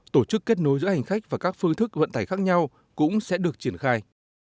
tổ chức kết nối giữa hành khách và các phương thức vận tải khác nhau cũng sẽ được triển khai